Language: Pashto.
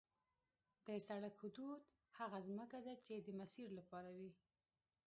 د سړک حدود هغه ځمکه ده چې د مسیر لپاره وي